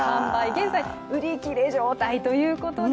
現在売り切れ状態ということで。